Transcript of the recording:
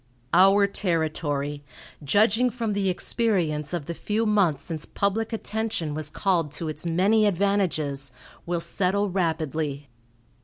"Our territory, judging from the experience of the few months since public attention was called to its many advantages, will settle rapidly.